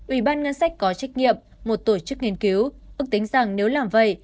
ủy ban ngân sách có trách nhiệm một tổ chức nghiên cứu ước tính rằng nếu làm vậy